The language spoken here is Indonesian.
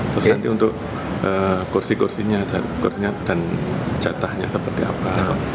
terus nanti untuk kursi kursinya kursinya dan jatahnya seperti apa